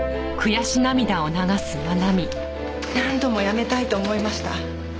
何度も辞めたいと思いました。